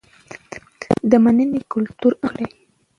د مننې کلتور عام کړئ.